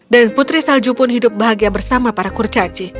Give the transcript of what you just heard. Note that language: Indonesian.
dan putri salju pun hidup bahagia bersama para kurcaci